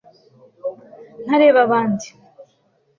ntareba abandi